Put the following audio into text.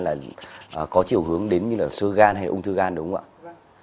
là có chiều hướng đến như là sơ gan hay ung thư gan đúng không ạ